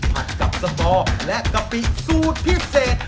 ผัดกับสตอและกะปิสูตรพิเศษ